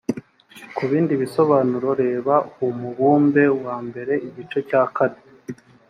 ku bindi bisobanuro reba umubumbe wa mbere igice cya kane